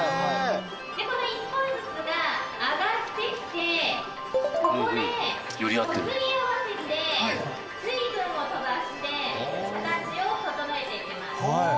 でこの１本ずつが上がってきてここでこすり合わせて水分を飛ばして形を整えていきます。